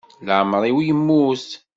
Iɛemmer-iw yemmut.